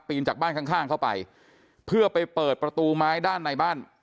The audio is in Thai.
จากบ้านข้างข้างเข้าไปเพื่อไปเปิดประตูไม้ด้านในบ้าน